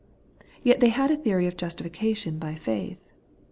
Yet they had a theory of a justification by faith.